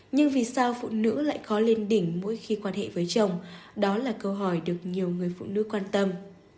nhưng vì sao phụ nữ lại khó lên đỉnh mỗi khi quan hệ với chồng đó là câu hỏi được nhiều người phụ nữ quan tâm